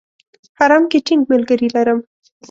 حرم کې ټینګ ملګري لري.